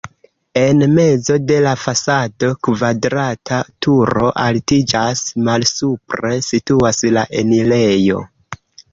En mezo de la fasado kvadrata turo altiĝas, malsupre situas la enirejo.